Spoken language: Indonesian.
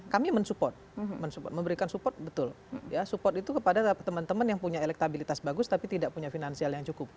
kami mensupport memberikan support betul support itu kepada teman teman yang punya elektabilitas bagus tapi tidak punya finansial yang cukup